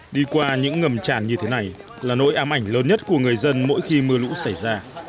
đi qua những ngầm tràn như thế này là nỗi ám ảnh lớn nhất của người dân mỗi khi mưa lũ xảy ra